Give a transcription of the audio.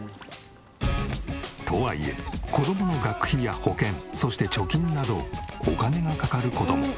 とはいえ子供の学費や保険そして貯金などお金がかかる事も。